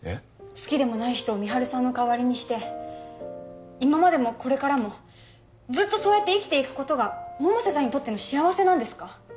好きでもない人を美晴さんの代わりにして今までもこれからもずっとそうやって生きていくことが百瀬さんにとっての幸せなんですか？